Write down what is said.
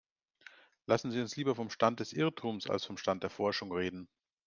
Lassen Sie uns lieber vom Stand des Irrtums als vom Stand der Forschung reden.